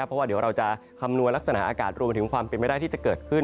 เพราะว่าเดี๋ยวเราจะคำนวณลักษณะอากาศรวมไปถึงความเป็นไม่ได้ที่จะเกิดขึ้น